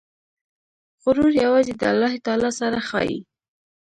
غرور یوازې د الله تعالی سره ښایي.